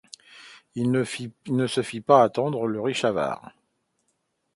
Il ne se fit pas attendre, le riche avare.